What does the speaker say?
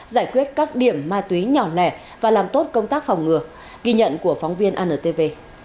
giải quyết các điểm ma túy nhỏ lẻ và làm tốt công tác phòng ngừa ghi nhận của phóng viên antv